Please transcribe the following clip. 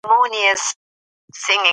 شاه شجاع په جلاوطنۍ کي ژوند کاوه.